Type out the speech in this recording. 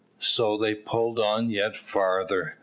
So they pulled on yet farther.